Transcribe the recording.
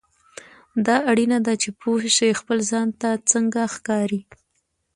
دا اړینه ده چې پوه شې خپل ځان ته څنګه ښکارې.